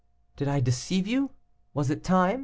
'Did I deceive you? Was it time?